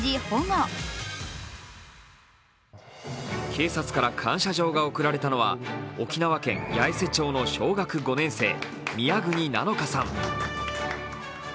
警察から感謝状が贈られたのは沖縄県八重洲町の小学５年生宮國和乃歌さん。